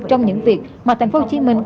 trong những việc mà thành phố hồ chí minh